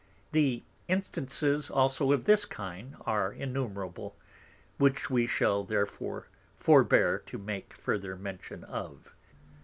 The Instances also of this kind are innumerable, which we shall therefore forbear to make further mention of.